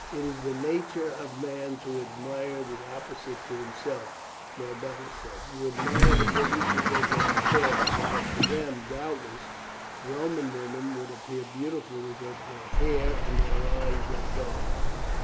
"It is the nature of man to admire the opposite to himself," Norbanus said. "You admire the Britons because they are fair, while to them, doubtless, Roman women would appear beautiful because their hair and their eyes are dark."